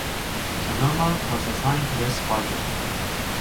"Sonoma" was assigned to this squadron.